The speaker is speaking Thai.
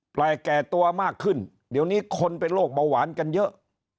แก่แก่ตัวมากขึ้นเดี๋ยวนี้คนเป็นโรคเบาหวานกันเยอะ